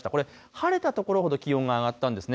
晴れた所ほど気温が上がったんです。